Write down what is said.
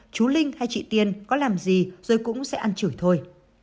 chú linh hay chị tiên có làm gì rồi cũng sẽ ăn chửi thôi